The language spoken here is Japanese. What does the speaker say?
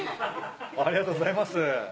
ありがとうございます。